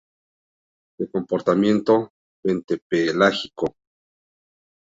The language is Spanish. De comportamiento bentopelágico.